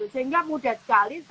sehingga mudah sekali